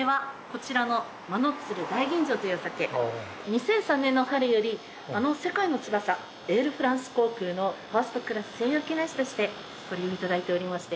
２００３年の春よりあの世界の翼エールフランス航空のファーストクラス専用機内酒としてご利用いただいておりまして。